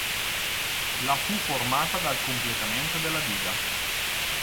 La fu formata dal completamento della diga.